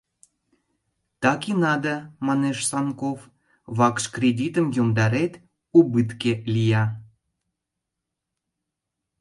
— Так и надо, — манеш Санков, — вакш кредитым йомдарет, убытке лия.